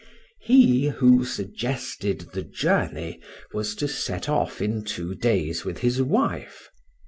He who suggested the journey was to set off in two days with his wife.